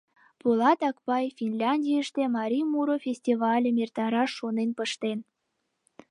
Полат Акпай Финляндийыште марий муро фестивальым эртараш шонен пыштен.